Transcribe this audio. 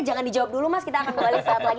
jangan dijawab dulu mas kita akan kembali saat lagi